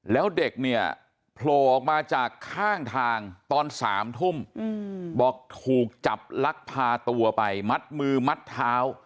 แล้วเด็กเนี่ยโผล่ออกมาจากข้างทางตอน๓ทุ่มบอกถูกจับลักพาตัวไปมัดมือมัดเท้า